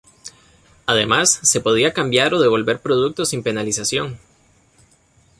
Además, se podían cambiar o devolver productos sin Penalización.